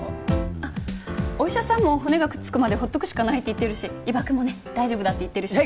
お医者さんも骨がくっつくまでほっとくしかないって言ってるし伊庭くんもね大丈夫だって言ってるし。